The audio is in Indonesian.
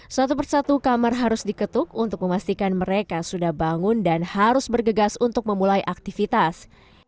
satu persatu kamar harus diketuk untuk memastikan mereka sudah bangun dan harus bergegas untuk memulai aktivitas